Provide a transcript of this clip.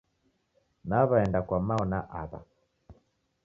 Naw'aenda kwa mao na apa.